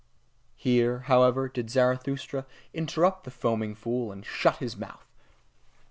Here, however, did Zarathustra interrupt the foaming fool, and shut his mouth.